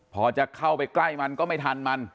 พอจะเข้าไปใกล้มันก็ไม่ทันมัน